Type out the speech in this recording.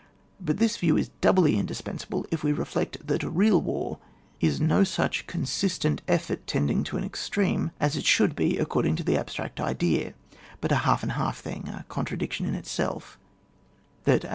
— But this view is doubly indispensable if we reflect that real war is no such consistent effort tending to an extreme, as it should be according to the abstract idea, but a half and half thing, a contradiction in itself; that, aa p ee ON WAR.